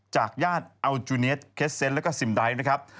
จากญาติเอาจูเนียสแคร์ด์เซ็ทและก็ซิมไดต์นะครับ